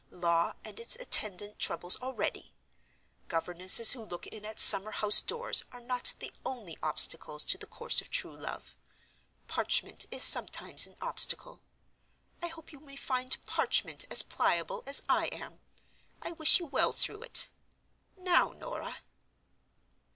Law, and its attendant troubles already! Governesses who look in at summer house doors are not the only obstacles to the course of true love. Parchment is sometimes an obstacle. I hope you may find Parchment as pliable as I am—I wish you well through it. Now, Norah!"